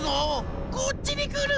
こっちにくる！